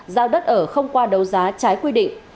giao đất ở không qua đấu giá trái quy định